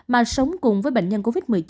mà sống cùng với bệnh nhân covid một mươi chín